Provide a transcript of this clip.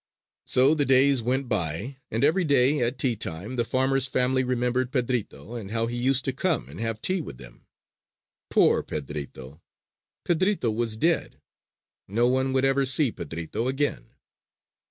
So the days went by. And every day, at tea time, the farmer's family remembered Pedrito and how he used to come and have tea with them. Poor Pedrito! Pedrito was dead! No one would ever see Pedrito again!